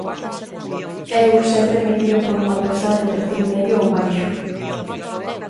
Eu sempre me tiven por unha persoa de perfil medio ou baixo.